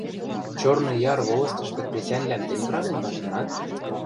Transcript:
Черный Яр волостьышты хресӓньвлӓм тӹнь кравен каштынат?